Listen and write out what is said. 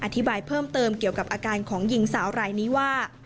อธิบายเพิ่มเติมเกี่ยวกับอาการของหญิงสาวรายนี้ว่า